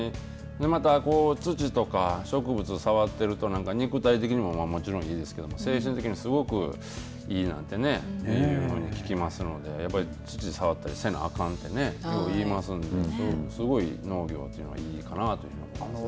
また土とか植物触っていると肉体的にももちろんいいですけど精神的にすごくいいなんてねいうふうに聞きますのでやはり土触ったりせなあかんとねと言いますのですごい農業というのはいいのかなと思いますね。